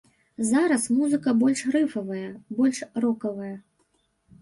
Зараз музыка больш рыфавая, больш рокавая.